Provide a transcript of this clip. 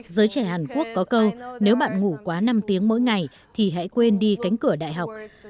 giới trẻ hàn quốc có câu nếu bạn ngủ quá năm tiếng mỗi ngày thì hãy quên đi cánh cửa đại học